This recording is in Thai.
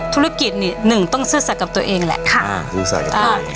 ธุรกิจนี่หนึ่งต้องซื่อสรรค์กับตัวเองแหละค่ะซื่อสรรค์กับใคร